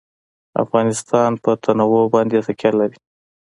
افغانستان په تنوع باندې تکیه لري.